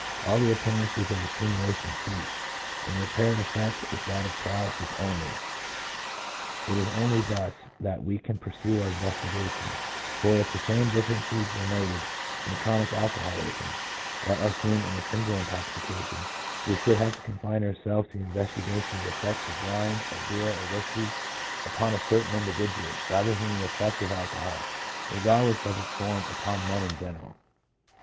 All the appearances of stimulation cease, and the apparent effect is that of paralysis only. It is only thus that we can pursue our investigation, for if the same differences were noted in chronic alcoholism that are seen in a single intoxication, we should have to confine ourselves to the investigation of the effects of wine, or beer, or 1 T. D. Crothers, The Diseases of Inebriety, p. 114. PHYSIOLOGY. 5 1 whisky upon a certain individual, rather than the effect of alcohol, regardless of its form, upon men in general.